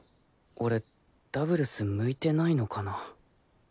俺ダブルス向いてないのかなぁ。